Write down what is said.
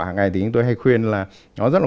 hằng ngày thì tôi hay khuyên là nó rất là